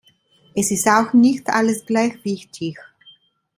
Es ist auch nicht alles gleich wichtig.